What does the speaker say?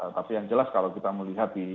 tapi yang jelas kalau kita melihat di